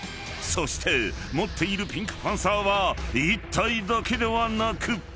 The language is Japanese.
［そして持っているピンクパンサーは１体だけではなく］